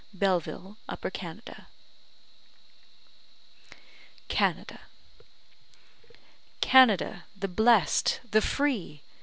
BELLEVILLE, UPPER CANADA CANADA Canada, the blest the free!